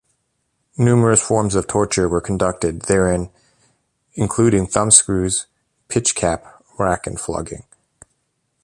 Numerous forms of torture were conducted therein including thumb screws, pitch-cap, rack and flogging.